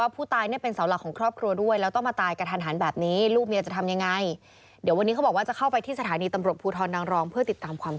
ผู้ตายยังไม่ได้